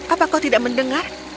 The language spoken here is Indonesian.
apa kau tidak mendengar